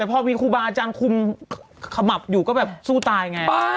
แต่พอมีครูบาอาจารย์คุมขมับอยู่ก็แบบสู้ตายไง